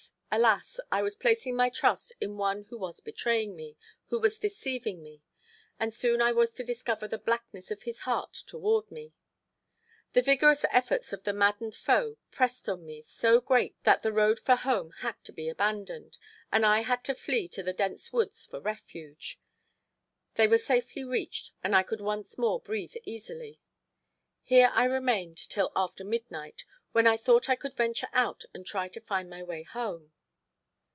alas! I was placing my trust in one who was betraying me, who was deceiving me; and soon I was to discover the blackness of his heart toward me. The vigorous efforts of the maddened foe pressed on me so great that the road for home had to be abandoned, and I had to flee to the dense woods for refuge. They were safely reached, and I could once more breathe easily. Here I remained till after midnight, when I thought I could venture out and try to find my way home.